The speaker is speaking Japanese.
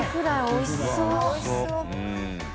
おいしそう！